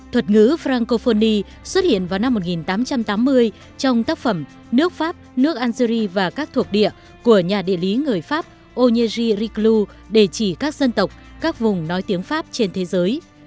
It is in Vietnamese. thuật ngữ frankophoni xuất hiện vào năm một nghìn tám trăm tám mươi trong tác phẩm nước pháp nước algeria và các thuộc địa của nhà địa lý người pháp ohiji riklu để chỉ các dân tộc các vùng nói tiếng pháp trên thế giới